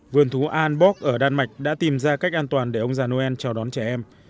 vườn thú an bóc ở đan mạch đã tìm ra cách an toàn để ông già noel chào đón trẻ em